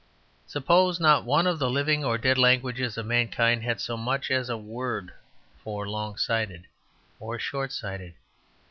Suppose not one of the living or dead languages of mankind had so much as a word for "long sighted" or "short sighted."